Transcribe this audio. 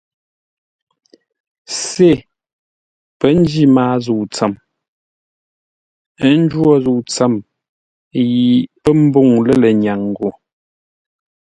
Sê pə́ njí maa zə̂u tsəm, mə́ njwó zə̂u tsəm yi pə́ mbûŋ lə lənyâŋ gho.